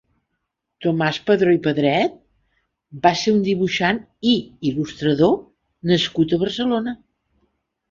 Tomàs Padró i Pedret va ser un dibuixant i il·lustrador nascut a Barcelona.